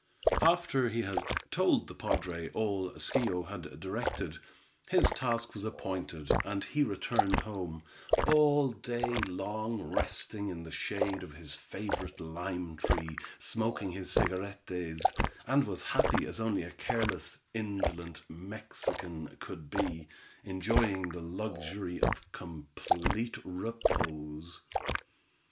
After he had told the padre all Schio had directed, his task was appointed, and he returned home, all day long resting in the shade of his favorite lime tree, smoking his cigarettés, and was happy as only a careless, indolent Mexican could be, enjoying the luxury of complete repose.